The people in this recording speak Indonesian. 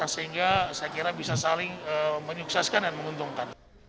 sehingga saya kira bisa saling menyukseskan dan menguntungkan